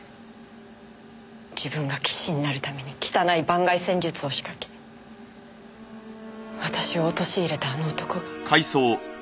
自分が棋士になるために汚い盤外戦術を仕掛け私を陥れたあの男が。